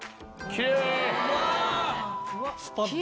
きれい！